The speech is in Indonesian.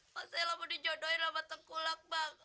mbak ella mau dijodohin sama tengku lak bang